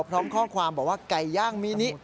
พร้อมข้อความบอกว่าไก่ย่างมีนิ